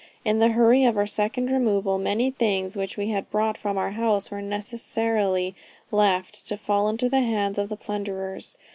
In the hurry of our second removal, many things which we had brought from our house, were necessarily left, to fall into the hands of the plunderers.